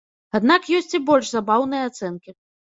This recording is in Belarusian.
Аднак ёсць і больш забаўныя ацэнкі.